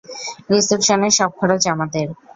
রিসিপশনের সব খরচ আমাদের।